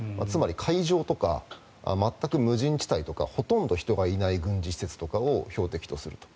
つまり海上とか全く無人地帯とかほとんど人がいない軍事施設を標的にする。